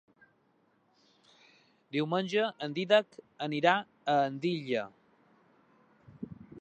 Diumenge en Dídac anirà a Andilla.